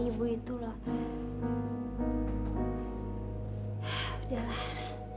ibu itu loh